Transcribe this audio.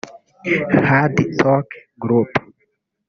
Hard talk group